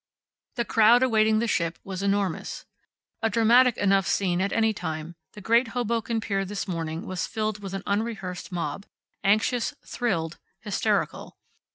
The crowd awaiting the ship was enormous. A dramatic enough scene at any time, the great Hoboken pier this morning was filled with an unrehearsed mob, anxious, thrilled, hysterical.